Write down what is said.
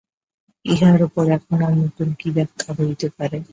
ইহার উপরে এখন আর নূতন ব্যাখ্যা কী হইতে পারে?